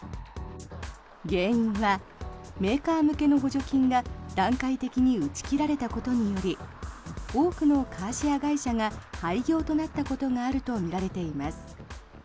原因はメーカー向けの補助金が段階的に打ち切られたことにより多くのカーシェア会社が廃業となったことがあるとみられています。